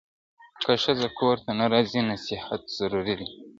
که ښځه کور ته نه راځي، نصيحت ضروري دی.